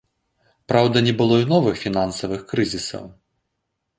Праўда, не было і новых фінансавых крызісаў.